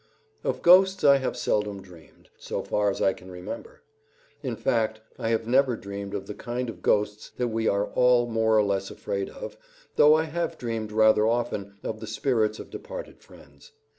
Of ghosts I have seldom dreamed, so far as I can remember; in fact, I have never dreamed of the kind of ghosts that we are all more or less afraid of, though I have dreamed rather often of the spirits of departed friends.